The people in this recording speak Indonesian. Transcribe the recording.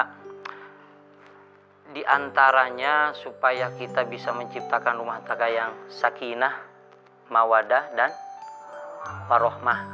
hai diantaranya supaya kita bisa menciptakan rumah tagayang sakinah mawadah dan warohmah